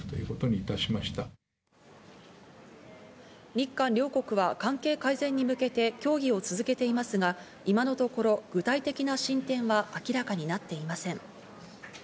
日韓両国は関係改善に向けて協議を続けていますが、今のところ具体的な進展は明らかになっていません。